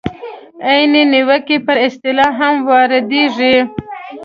عین نیوکه پر اصطلاح هم واردېږي.